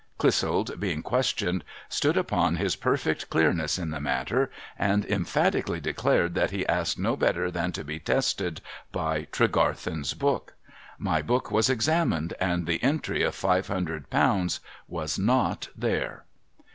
Clissold^ being questioned, stood upon his perfect clearness in the matter, and emphatically declared that he asked no better than to be tested by " Tregarthen's book." My book was examined, and the entry of five hundred pounds was not there.'